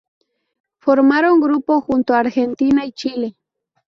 Formaron grupo junto a Argentina y Chile.